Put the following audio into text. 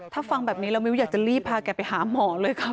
ถ้าฟังแบบนี้แล้วมิ้วอยากจะรีบพาแกไปหาหมอเลยค่ะ